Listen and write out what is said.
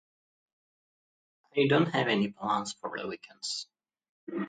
We don't have any plans for the weekends.